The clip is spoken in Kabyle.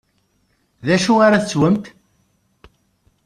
D acu ara teswemt?